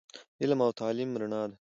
علم او تعليم رڼا ده